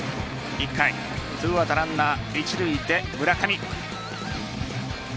１回２アウトランナー一塁で村上。